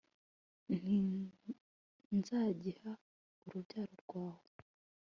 nti 'nzagiha urubyaro rwawe